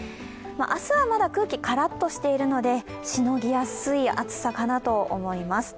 明日はまだ空気がからっとしているのでしのぎやすい暑さかなと思います。